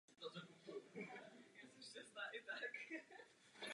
Zároveň vyzval ke shromažďování sbírky a zajistil k tomu účelu volnou místnost.